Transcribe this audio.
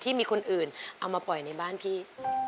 มีคนอื่นเอามาปล่อยในบ้านพี่